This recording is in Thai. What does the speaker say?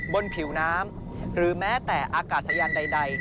บนผิวน้ำหรือแม้แต่อากาศยานใด